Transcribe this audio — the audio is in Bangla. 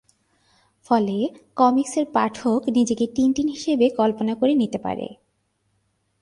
ফলে কমিকসের পাঠক নিজেকে টিনটিন হিসেবে কল্পনা করে নিতে পারে।